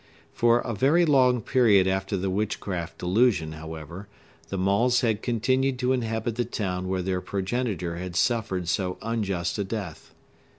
For a very long period after the witchcraft delusion, however, the Maules had continued to inhabit the town where their progenitor had suffered so unjust a death.